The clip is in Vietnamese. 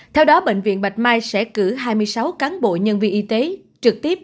theo đó bệnh viện bạch mai sẽ cử hai mươi sáu cán bộ nhân viên y tế trực tiếp